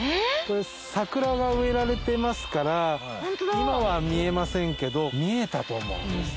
これ桜が植えられてますから今は見えませんけど見えたと思うんです。